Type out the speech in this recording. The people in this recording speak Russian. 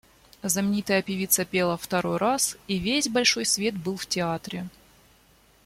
Знаменитая певица пела второй раз, и весь большой свет был в театре.